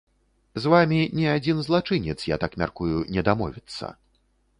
З вамі ні адзін злачынец, я так мяркую, не дамовіцца.